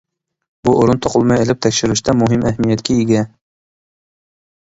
بۇ ئورۇن توقۇلما ئېلىپ تەكشۈرۈشتە مۇھىم ئەھمىيەتكە ئىگە.